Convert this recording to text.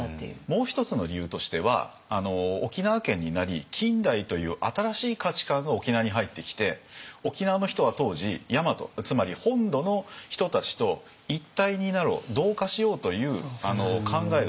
もう一つの理由としては沖縄県になり近代という新しい価値観が沖縄に入ってきて沖縄の人は当時大和つまり本土の人たちと一体になろう同化しようという考えがすごくあって。